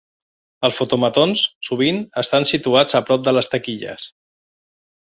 Els fotomatons sovint estan situats a prop de les taquilles.